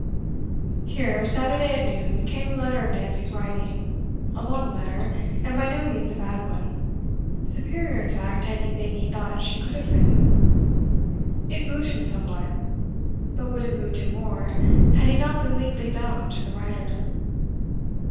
Here, Saturday at noon, came a letter of Nancy's writing. A long letter, and by no means a bad one; superior, in fact, to anything he thought she could have written. It moved him somewhat, but would have moved him more, had he not been legally bound to the writer.